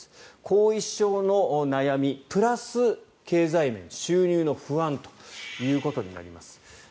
後遺症の悩み、プラス経済面、収入の不安ということになります。